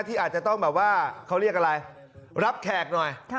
ที่อาจจะต้องแบบว่าเขาเรียกอะไรรับแขกหน่อย